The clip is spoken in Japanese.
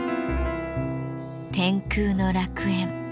天空の楽園。